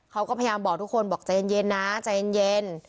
เขาก็พยายามบอกทุกคนบอกใจเย็นนะใจเย็น